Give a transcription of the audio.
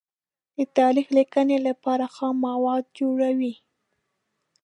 د تاریخ لیکنې لپاره خام مواد جوړوي.